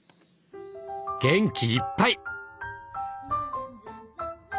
元気いっぱい！